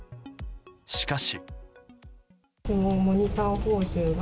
しかし。